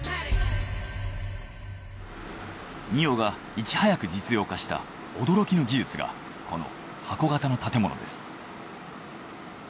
ＮＩＯがいち早く実用化した驚きの技術がこの箱型の建物です。